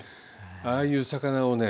ああいう魚をね